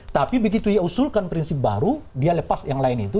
tapi begitu ia usulkan prinsip baru dia lepas yang lain itu